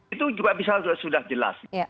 itu juga sudah jelas